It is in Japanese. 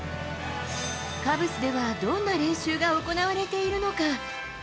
カブスではどんな練習が行われているのか。